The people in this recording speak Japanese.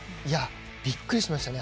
びっくりしましたね。